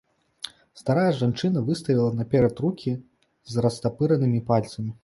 Старая жанчына выставіла наперад рукі з растапыранымі пальцамі.